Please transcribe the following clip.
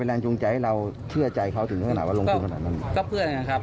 ที่นี้ค่ะประเด็นของลูกสาวนางสีหกละพัทย์นะคะ